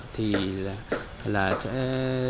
thì là sẽ